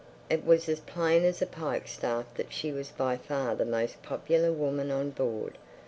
It was as plain as a pikestaff that she was by far the most popular woman on board.